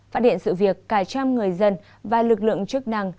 phát hiện sự việc cả trăm người dân và lực lượng chức năng